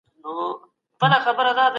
مال بايد په روا لارو لاس ته راسي.